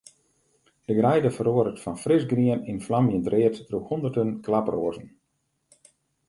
De greide feroaret fan frisgrien yn in flamjend read troch hûnderten klaproazen.